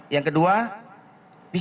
yang kedua pisau